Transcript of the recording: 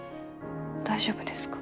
大丈夫ですか？